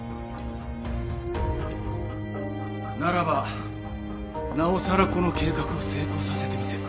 ならばなおさらこの計画を成功させてみせる。